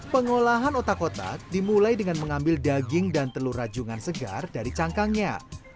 pengolahan otak otak dimulai dengan mengambil daging dan telur rajungan segar dari cangkangnya